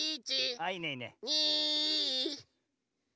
ああいいねいいね。